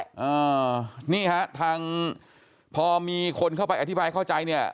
อ่านี่ฮะทางพอมีคนเข้าไปอธิบายเข้าใจเนี่ย